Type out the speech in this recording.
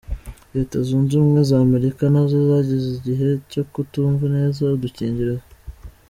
Leta Zunze Ubumwe za Amerika nazo zagize igihe cyo kutumva neza udukingirizo.